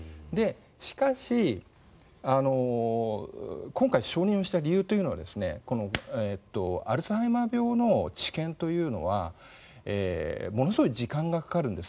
しかし、今回承認した理由というのはアルツハイマー病の治験というのはものすごい時間がかかるんです。